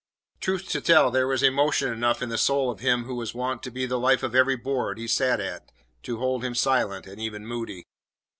Truth to tell, there was emotion enough in the soul of him who was wont to be the life of every board he sat at to hold him silent and even moody.